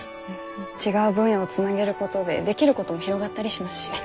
違う分野をつなげることでできることも広がったりしますしね。